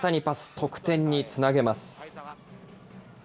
得点につなげます。